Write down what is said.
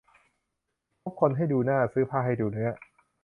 คบคนให้ดูหน้า ซื้อผ้าให้ดูเนื้อ